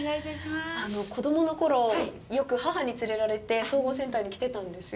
子供のころ、よく母に連れられて総合センターに来てたんですよ。